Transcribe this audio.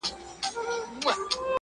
کله لس کله مو سل په یوه آن مري-